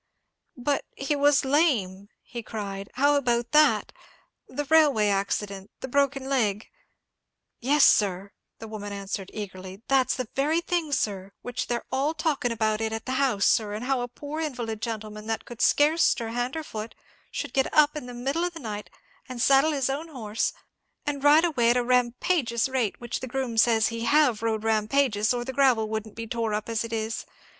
"But he was lame," he cried. "How about that?—the railway accident—the broken leg——" "Yes, sir," the woman answered, eagerly, "that's the very thing, sir; which they're all talkin' about it at the house, sir, and how a poor invalid gentleman, what could scarce stir hand or foot, should get up in the middle of the night and saddle his own horse, and ride away at a rampageous rate; which the groom says he have rode rampageous, or the gravel wouldn't be tore up as it is.